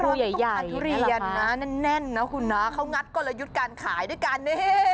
ยาทุเรียนนะแน่นนะคุณนะเขางัดกลยุทธ์การขายด้วยกัน